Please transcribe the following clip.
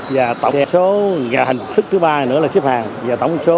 và tổng số hành thức thứ ba nữa là xếp hàng